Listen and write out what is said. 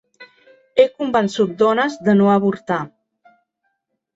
He convençut dones de no avortar.